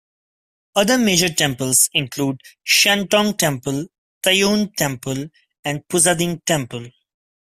Other major temples include Xiantong Temple, Tayuan Temple and Pusading Temple.